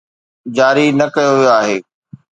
جاري نه ڪيو ويو آهي.